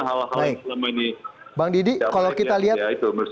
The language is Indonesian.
hal hal selama ini